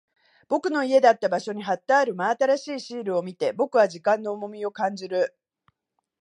僕の家だった場所に貼ってある真新しいシールを見て、僕は時間の重みを感じる。